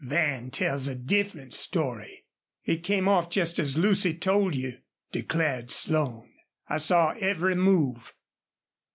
... Van tells a different story." "It came off just as Lucy told you," declared Slone. "I saw every move."